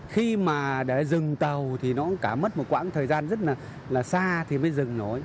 khi mà để dừng tàu thì nó cũng cả mất một quãng thời gian rất là xa thì mới dừng nổi